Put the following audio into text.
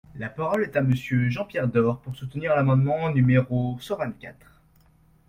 La parole est à Monsieur Jean-Pierre Door, pour soutenir l’amendement numéro cent vingt-quatre.